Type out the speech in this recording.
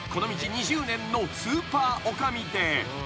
２０年のスーパー女将で］